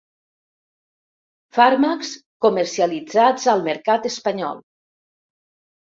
Fàrmacs comercialitzats al mercat espanyol.